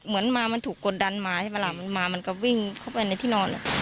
เหมือนมามันถูกกดดันมาใช่ไหมล่ะมันมามันก็วิ่งเข้าไปในที่นอน